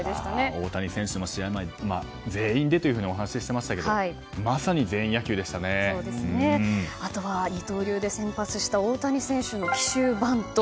大谷選手も試合前に全員でとお話ししてましたがあとは二刀流で先発した大谷選手の奇襲バント。